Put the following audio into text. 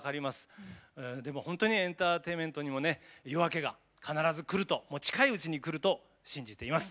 でも本当にエンターテインメントにも夜明けが必ずくると近いうちにくると信じています。